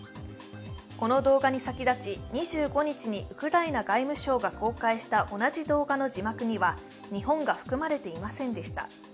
この動画に先立ち、２５日にウクライナ外務省が公開した同じ動画の字幕には日本が含まれていませんでした。